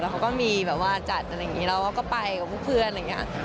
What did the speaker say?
เขาก็มีแบบว่าจัดอะไรอย่างนี้เราก็ไปกับพวกเพื่อนอะไรอย่างนี้